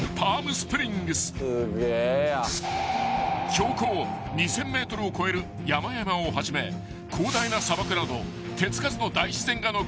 ［標高２，０００ｍを超える山々をはじめ広大な砂漠など手付かずの大自然が残る地］